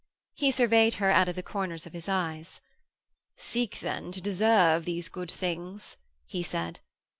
He surveyed her out of the corners of his eyes. 'Seek, then, to deserve these good things,' he said.